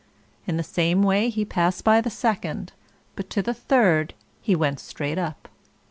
In the same way he passed by the second; but to the third he went straight up.